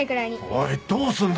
おいどうすんだ！